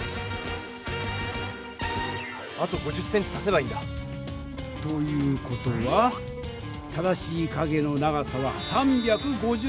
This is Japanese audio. あと５０ｃｍ足せばいいんだ！という事は正しい影の長さは３５０ｃｍだ。